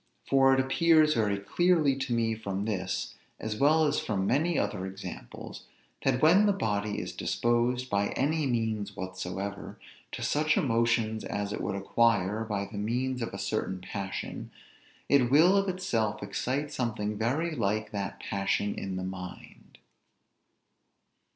For it appears very clearly to me from this, as well as from many other examples, that when the body is disposed, by any means whatsoever, to such emotions as it would acquire by the means of a certain passion; it will of itself excite something very like that passion in the mind.